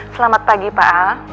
selamat pagi pak